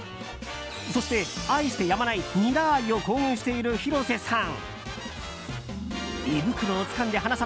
そして愛してやまないニラ愛を公言している広瀬さん。